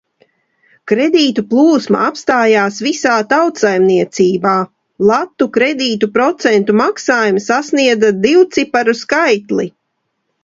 Kredītu plūsma apstājās visā tautsaimniecībā, latu kredītu procentu maksājumi sasniedza divciparu skaitli.